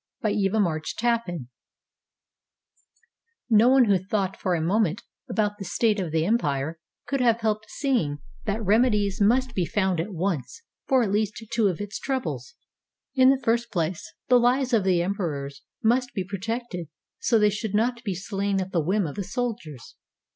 ] BY EVA MARCH TAPPAN No one who thought for a moment about the state of the empire could have helped seeing that remedies must be found at once for at least two of its troubles. In the first place, the lives of the emperors must be pro tected so they should not be slain at the whim of the soldiers.